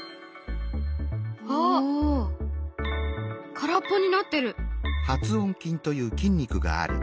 空っぽになってる！